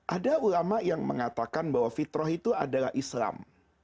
ada ulama yang mengatakan bahwa fitrah itu adalah islam